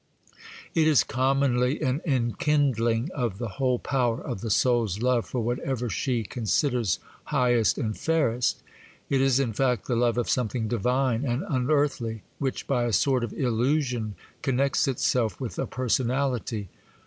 It is commonly an enkindling of the whole power of the soul's love for whatever she considers highest and fairest; it is, in fact, the love of something divine and unearthly, which, by a sort of illusion, connects itself with a personality.